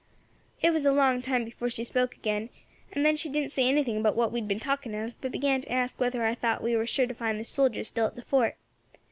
"It was a long time before she spoke again, and then she didn't say anything about what we had been talking of, but began to ask whether I thought we were sure to find the soldiers still at the fort.